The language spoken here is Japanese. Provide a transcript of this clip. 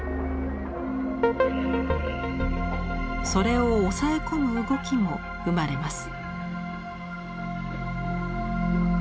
それを抑え込む動きも生まれます。